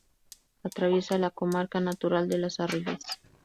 Atraviesa la comarca natural de las Arribes.